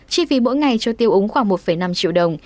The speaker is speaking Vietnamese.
chi phí mỗi ngày cho tiêu úng khoảng một năm triệu đồng